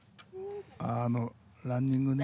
あっあのランニングね。